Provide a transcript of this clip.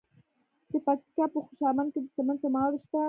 د پکتیکا په خوشامند کې د سمنټو مواد شته.